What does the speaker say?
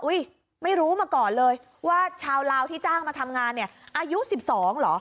ไม่รู้มาก่อนเลยว่าชาวลาวที่จ้างมาทำงานเนี่ยอายุ๑๒เหรอ